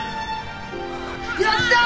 やったー！